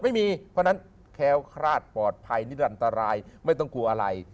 ไม่มีเพราะนั้นแคล้วคราษปลอดภัยนิรันตรายไม่ต้องกลัว